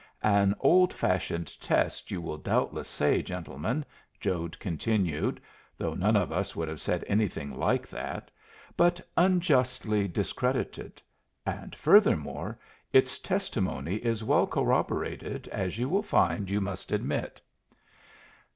"An old fashioned test, you will doubtless say, gentlemen," Jode continued though none of us would have said anything like that "but unjustly discredited; and, furthermore, its testimony is well corroborated, as you will find you must admit."